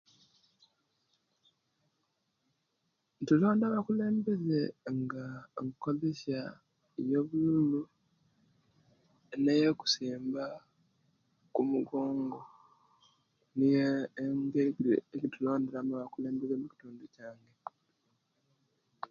Tulonda abakulembeze nga tukolesya obululu ne okusimba okumigongo niyo engeri eje tulonda mu abakulembeze omukitundu